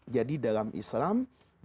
jadi dalam islam